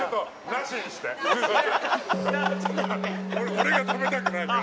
俺が食べたくないから。